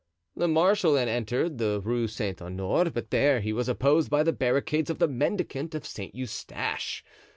The marshal then entered the Rue Saint Honore, but there he was opposed by the barricades of the mendicant of Saint Eustache.